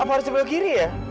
apa harus sebelah kiri ya